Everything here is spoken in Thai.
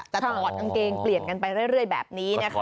แต่ถอดกางเกงเปลี่ยนกันไปเรื่อยแบบนี้นะคะ